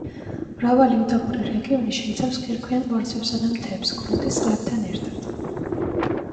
მრავალი უდაბური რეგიონი შეიცავს კირქვიან ბორცვებსა და მთებს, გრუნტის წყლებთან ერთად.